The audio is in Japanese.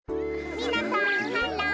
みなさんハロー！